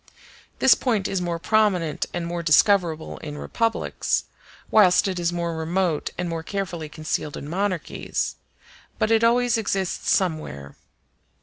This point is more prominent and more discoverable in republics, whilst it is more remote and more carefully concealed in monarchies, but it always exists somewhere.